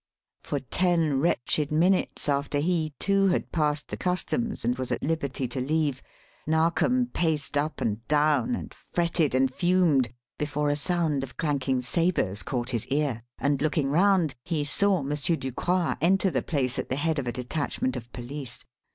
For ten wretched minutes after he, too, had passed the customs and was at liberty to leave, Narkom paced up and down and fretted and fumed before a sound of clanking sabres caught his ear and, looking round, he saw M. Ducroix enter the place at the head of a detachment of police.